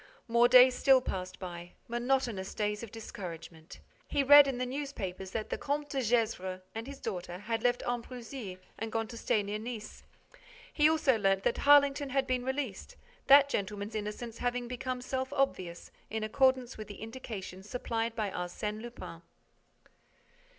More days still passed by, monotonous days of discouragement. He read in the newspapers that the Comte de Gesvres and his daughter had left Ambrumésy and gone to stay near Nice. He also learnt that Harlington had been released, that gentleman's innocence having become self obvious, in accordance with the indications supplied by Arsène Lupin.